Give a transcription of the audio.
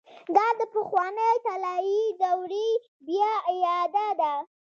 دا د پخوانۍ طلايي دورې بيا اعاده ده.